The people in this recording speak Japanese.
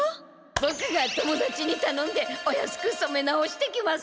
ボクがともだちにたのんでお安くそめ直してきます！